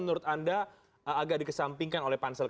menurut anda agak di kesampingkan oleh pansel kpk